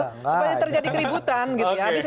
supaya terjadi keributan gitu ya